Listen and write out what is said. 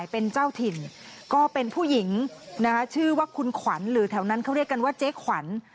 เป็นเจ้าถิ่นก็เป็นผู้หญิงนะคะชื่อว่าคุณขวัญหรือแถวนั้นเขาเรียกกันว่าเจ๊ขวัญ